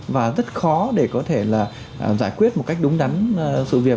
và rất khó để có thể là giải quyết một cách đúng đắn sự việc